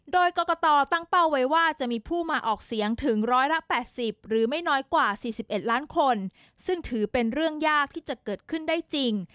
โดยกรกตตั้งเป้าไว้ว่าจะมีผู้มาออกเสียงถึง๑๘๐หรือไม่น้อยกว่า๔๑ล้านคนซึ่งถือเป็นเรื่องยากที่จะเกิดขึ้นได้จริง